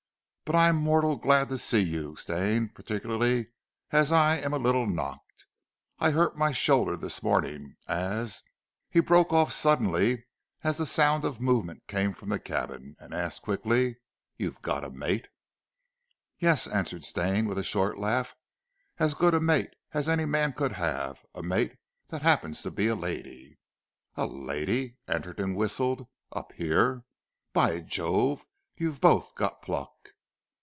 But I'm mortal glad to see you, Stane, particularly as I'm a little knocked. I hurt my shoulder this morning, as " He broke off suddenly as the sound of movement came from the cabin, and asked quickly. "You've got a mate?" "Yes," answered Stane, with a short laugh, "as good a mate as a man could have, a mate that happens to be a lady!" "A lady!" Anderton whistled. "Up here! By Jove! you've both got pluck."